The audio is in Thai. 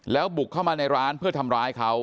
แล้วบุกเข้ามาในร้านเพื่อทำร้ายเขา